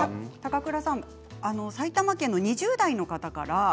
埼玉県２０代の方から。